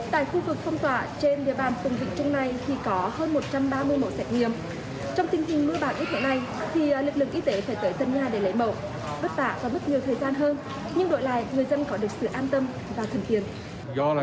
tại khu vực phong tỏa trên địa bàn phùng vĩnh trung này thì có hơn một trăm ba mươi mẫu xét nghiệm